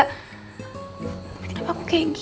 padahal kan cuman diajak jalan sama angga